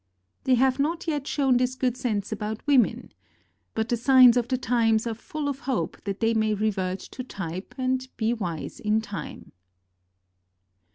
They have not yet shown this good sense about women. But the signs of the times are full of hope that they may revert to type and be wise in time.